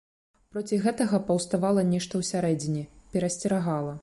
Проці гэтага паўставала нешта ўсярэдзіне, перасцерагала.